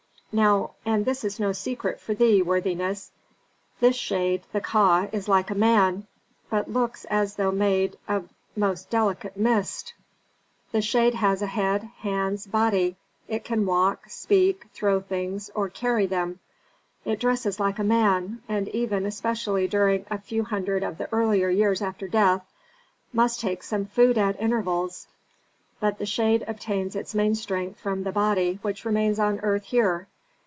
"Now and this is no secret for thee, worthiness this shade, the Ka, is like a man, but looks as though made of most delicate mist. The shade has a head, hands, body, it can walk, speak, throw things or carry them, it dresses like a man, and even, especially during a few hundred of the earlier years after death, must take some food at intervals. But the shade obtains its main strength from the body which remains on the earth here.